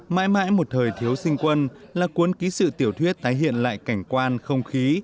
mãi mãi một thời thiếu sinh quân là cuốn ký sự tiểu thuyết tái hiện lại cảnh quan không khí